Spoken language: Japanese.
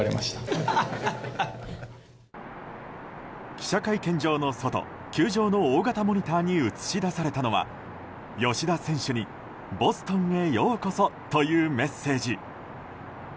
記者会見場の外球場の大型モニターに映し出されたのは吉田選手にボストンへようこそというメッセージ。